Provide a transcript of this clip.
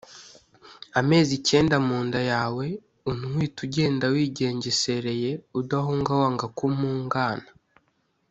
Amezi cyenda mu nda yaweUntwite ugenda wigengesereyeUdahuga wanga ko mpugana